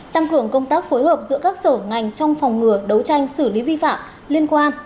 tăng cường công tác phối hợp giữa các sở ngành trong phòng ngừa đấu tranh xử lý vi phạm liên quan